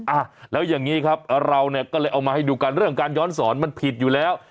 อ่ะแล้วอย่างนี้ครับเราเนี่ยก็เลยเอามาให้ดูกันเรื่องการย้อนสอนมันผิดอยู่แล้ว